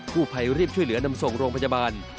ผู้ภัยรีบช่วยเหลือนำส่งโรงพยาบาล